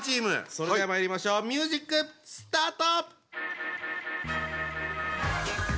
それではまいりましょうミュージックスタート！